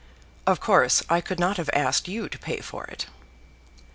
Of course I could not have asked you to pay for it.